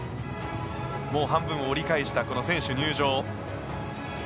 もう半分を折り返したこの選手入場。